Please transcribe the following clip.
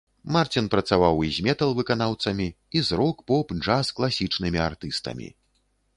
Марцін працаваў і з метал-выканаўцамі, і з рок-, поп-, джаз-, класічнымі артыстамі.